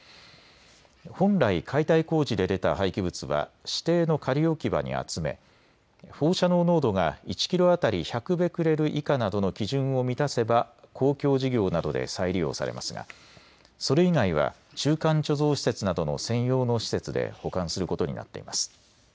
本来、解体工事で出た廃棄物は指定の仮置き場に集め放射能濃度が１キロ当たり１００ベクレル以下などの基準を満たせば公共事業などで再利用されますがそれ以外は中間貯蔵施設などの専用の施設で保管することになっています。